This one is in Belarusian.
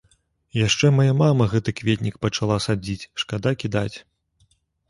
Яшчэ мая мама гэты кветнік пачала садзіць, шкада кідаць.